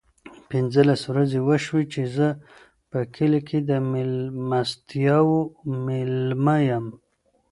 پینځلس ورځې وشوې چې زه په کلي کې د مېلمستیاوو مېلمه یم.